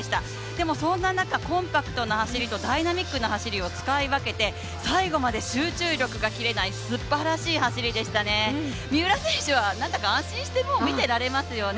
でも、そんな中、コンパクトな走りとダイナミックな走りを使い分けて最後まで集中力が切れないすばらしい走りでしたね、三浦選手は何だか安心して見てられますよね。